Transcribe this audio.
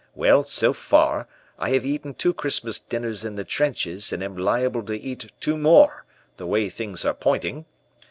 Well, so far, I have eaten two Christmas dinners in the trenches, and am liable to eat two more, the way things are pointing.